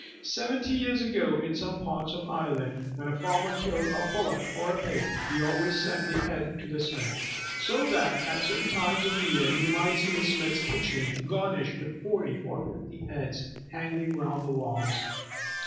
Seventy years ago in some parts of Ireland, when a farmer killed a bullock or a pig, he always sent the head to the smith, so that at certain times of the year you might see the smith's kitchen garnished with forty or fifty heads hanging round the walls.